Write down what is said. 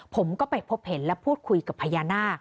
ผมก็ไปพบเห็นและพูดคุยกับพญานาค